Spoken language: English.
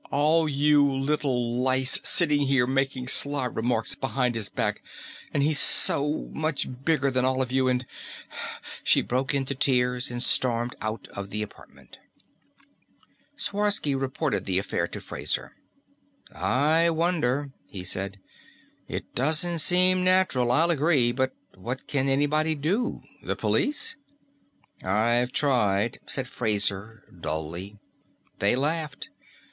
All you little lice sitting here making sly remarks behind his back, and he's so, much bigger than all of you and " She broke into tears and stormed out of the apartment. Sworsky reported the affair to Fraser. "I wonder," he said. "It doesn't seem natural, I'll agree. But what can anybody do? The police?" "I've tried," said Fraser dully. "They laughed.